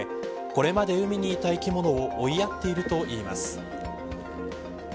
これまで海にいた生き物を追いやっているといいます。